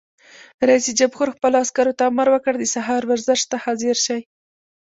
رئیس جمهور خپلو عسکرو ته امر وکړ؛ د سهار ورزش ته حاضر شئ!